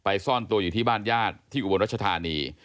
ไปซ่อนไปอยู่ที่บ้านญาติที่อุโมนรจทานี